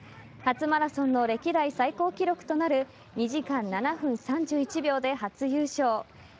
初マラソンの歴代最高記録となる２時間７分３１秒で初優勝。